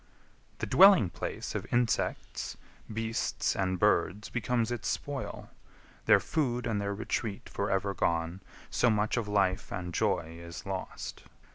The dwelling place Of insects, beasts, and birds, becomes its spoil; Their food and their retreat for ever gone, So much of life and joy is lost.